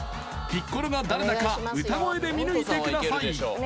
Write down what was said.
ピッコロが誰だか歌声で見抜いてください